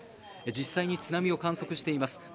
実際に津波を観測しています。